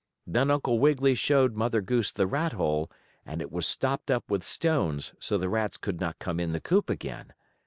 Then Uncle Wiggily showed Mother Goose the rat hole, and it was stopped up with stones so the rats could not come in the coop again.